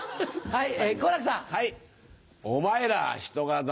はい。